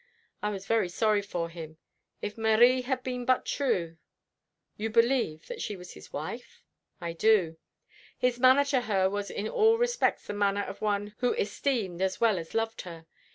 I was very sorry for him. If Marie had been but true " "You believe that she was his wife?" "I do. His manner to her was in all respects the manner of one who esteemed as well as loved her.